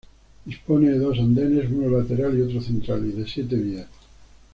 Dispone de dos andenes uno lateral y otro central y de siete vías.